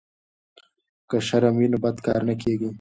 که شرم وي نو بد کار نه کیږي.